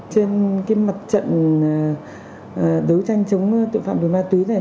trên cái mặt trận đấu tranh chống tội phạm về ma túy này